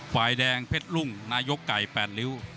ฝ่ายแดงเพชรรุ่งนายกไก่๘ริ้ว